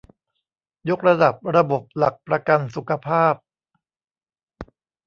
ยกระดับระบบหลักประกันสุขภาพ